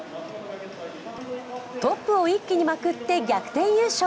トップを一気にまくって逆転優勝。